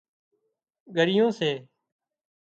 گروۯيئيون سي